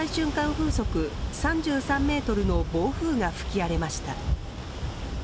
風速３３メートルの暴風が吹き荒れました。